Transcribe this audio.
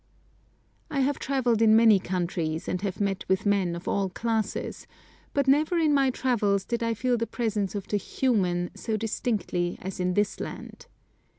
I have travelled in many countries and have met with men of all classes, but never in my travels did I feel the presence of the human so distinctly as in this land.